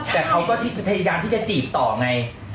แต่เขาก็พยายามที่จะจีบต่อไง